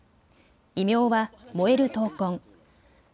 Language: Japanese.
異名は燃える闘魂。